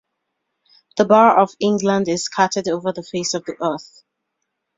The bar of England is scattered over the face of the earth.